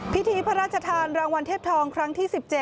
พิธีพระราชทานรางวัลเทพทองครั้งที่๑๗